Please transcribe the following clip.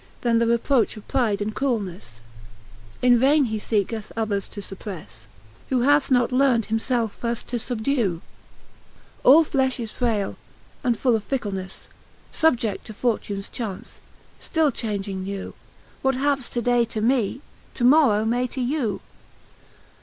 Then the reproch of pride and cruelnefle. In vaine he feeketh others to fiipprefle, Who hath not learnd himfelfefirfl: to fubdew: All flefli is frayle, and full of ficklenefle, Subje<9: to fortunes chance, fl:iU chaunging new J What haps to day to me, to morrow may to you.